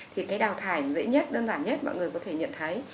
thì cái đào thải dễ nhất đơn giản nhất mọi người có thể nhận thấy